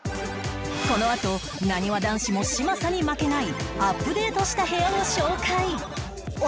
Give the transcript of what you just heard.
このあとなにわ男子も嶋佐に負けないアップデートした部屋を紹介